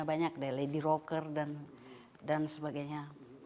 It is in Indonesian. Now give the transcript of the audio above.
banyak deh lady rocker dan sebagainya